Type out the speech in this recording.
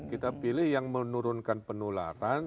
kita pilih yang menurunkan penularan